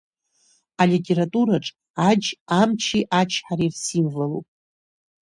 Алитератураҿ аџь амчи ачҳареи ирсимволуп.